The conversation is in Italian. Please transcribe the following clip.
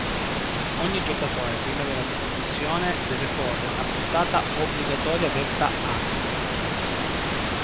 Ogni giocatore prima della distribuzione deve porre una puntata obbligatoria detta "ante".